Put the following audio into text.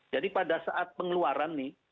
jadi pada saat pengeluaran nih